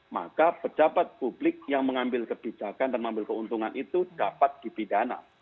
maka pejabat publik yang mengambil kebijakan dan mengambil keuntungan itu dapat dipidana